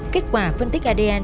kết quả phân tích adn